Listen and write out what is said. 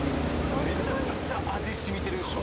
めちゃくちゃ味染みてるでしょ。